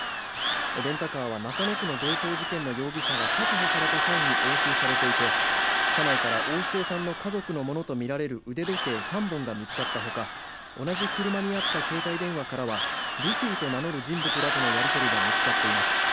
レンタカーは中野区の強盗事件の容疑者が確保された際に押収されていて車内から大塩さんの家族のものとみられる腕時計３本が見つかったほか同じ車にあった携帯電話からはルフィと名乗る人物らとのやり取りが見つかっています。